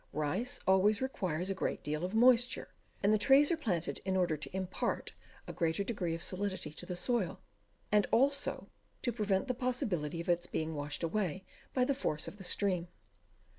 Rice always requires a great deal of moisture, and the trees are planted in order to impart a greater degree of solidity to the soil, and also to prevent the possibility of its being washed away by the force of the stream.